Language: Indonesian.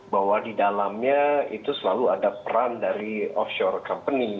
bahwa di dalamnya itu selalu ada peran dari offshore company